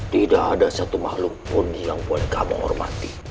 tidak ada satu makhluk pun yang boleh kami hormati